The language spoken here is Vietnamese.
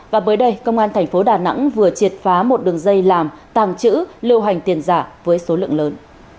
và bới đây công an tp hcm vừa triệt phá một đường dây làm tàng chữ lưu hành tiền giả với số lượng lớn